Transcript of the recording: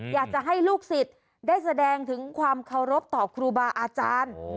อยากจะให้ลูกศิษย์ได้แสดงถึงความเคารพต่อครูบาอาจารย์